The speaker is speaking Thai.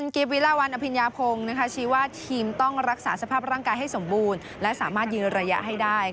คุณพิญญาพงศ์ชิดว่าทีมต้องรักษาสภาพร่างกายให้สมบูรณ์และสามารถยืนระยะให้ได้